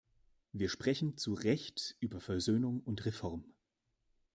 Wir sprechen zu Recht über Versöhnung und Reform.